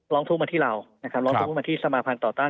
ร้องทุกข์มาที่เรานะครับร้องทุกข์มาที่สมาภัณฑ์ต่อต้าน